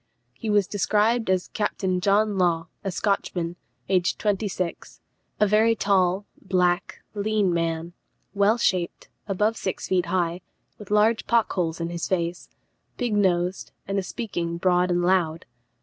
He was described as "Captain John Law, a Scotchman, aged twenty six; a very tall, black, lean man; well shaped, above six feet high, with large pock holes in his face; big nosed, and speaking broad and loud."